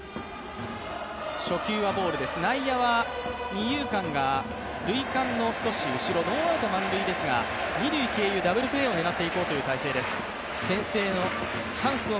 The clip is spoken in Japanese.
内野は二遊間が塁間の少し後ろノーアウト満塁ですが、二塁経由でダブルプレーを狙っていこうという体勢です。